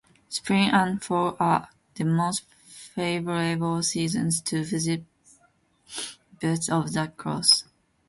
Spring and fall are the most favorable seasons to visit Buttes of the Cross.